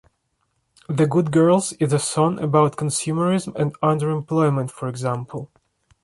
"The Good Girls" is a song about consumerism and underemployment, for example.